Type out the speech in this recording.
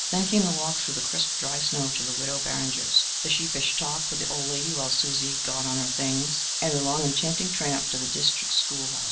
Then came the walk through the crisp, dry snow to the Widow Barringer's, the sheepish talk with the old lady while Susie "got on her things," and the long, enchanting tramp to the "deestrick school house."